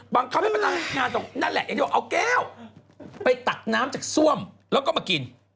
บางเขาไม่เป็นนักงานสองคนนั่นแหละเอาแก้วไปตักน้ำจากซ่วมแล้วก็มากิน